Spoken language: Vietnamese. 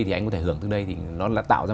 thì anh có thể hưởng từng đây thì nó là tạo ra